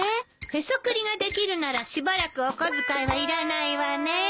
へそくりができるならしばらくお小遣いはいらないわね。